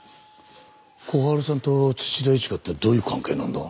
小春さんと土田一花ってどういう関係なんだ？